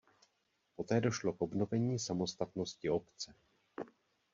Poté došlo k obnovení samostatnosti obce.